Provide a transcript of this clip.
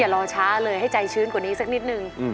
รอช้าเลยให้ใจชื้นกว่านี้สักนิดนึง